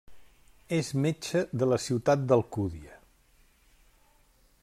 És metge de la ciutat d'Alcúdia.